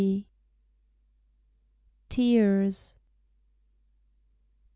TEARS.